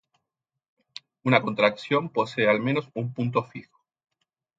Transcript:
Una contracción posee al menos un punto fijo.